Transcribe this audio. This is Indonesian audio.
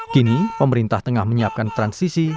kini pemerintah tengah menyiapkan transisi